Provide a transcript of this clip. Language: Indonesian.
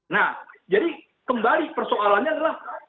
nah jadi kembali persoalannya adalah